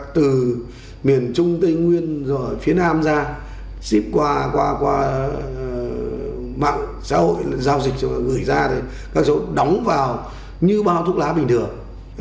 từ miền trung tây nguyên rồi phía nam ra xếp qua mạng xã hội gửi ra thì các cháu đóng vào như bao thuốc lá bình thường